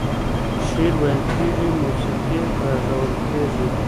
شعر ويل کېږي، موسيقي غږول کېږي.